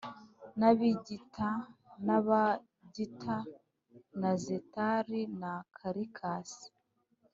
na Bigita na Abagita na Zetari na Karikas